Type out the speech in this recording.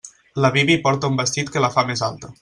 La Bibi porta un vestit que la fa més alta.